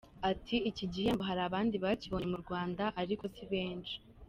Ati” Iki gihembo hari abandi bakibonye mu Rwanda ariko si benshi.